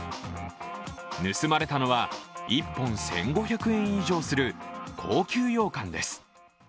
盗まれたのは、１本１５００円以上する高級ようかんです。